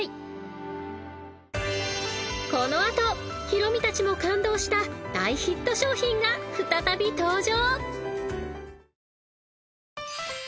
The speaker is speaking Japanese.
［この後ヒロミたちも感動した大ヒット商品が再び登場］